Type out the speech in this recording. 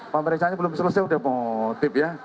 pemeriksaannya belum selesai udah mau tip ya